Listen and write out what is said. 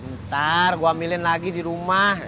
ntar gue ambilin lagi di rumah